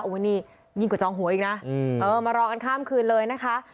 โอ้โหนี่ยิ่งกว่าจองหัวอีกนะมารอกันข้ามคืนเลยนะคะ